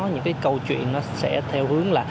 những cái câu chuyện nó sẽ theo hướng là